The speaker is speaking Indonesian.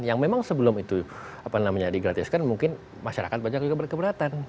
yang memang sebelum itu digratiskan mungkin masyarakat banyak juga berkeberatan